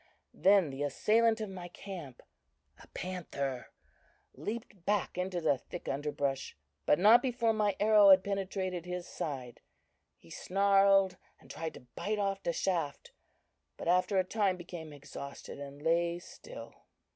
Then the assailant of my camp a panther leaped back into the thick underbrush, but not before my arrow had penetrated his side. He snarled and tried to bite off the shaft, but after a time became exhausted and lay still.